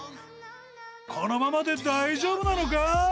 ［このままで大丈夫なのか？］